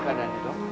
gimana keadaan itu